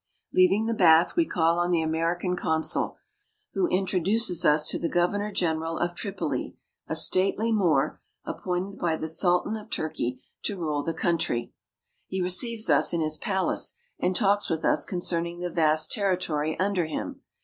Leaving the bath, we call on the American Consul, who introduces us to the Governor General of Tripoli, a stately Moor, appointed by the Sultan of Turkey to rule the country. He receives us in his palace and talks with us concerning the vast territory under him.